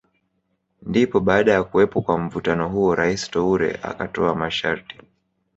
Ndipo baada ya kuwepo kwa mvutano huo Rais Toure akatoa masharti